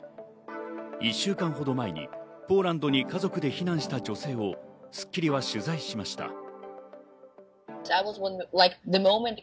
１週間ほど前にポーランドに家族で避難した女性を『スッキリ』は取材しました。